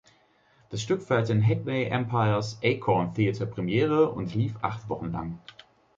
Das Stück feierte in Hackney Empires „Acorn Theatre“ Premiere und lief acht Wochen lang.